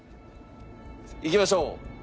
いきましょう。